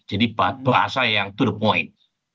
jadi bahasa yang to the point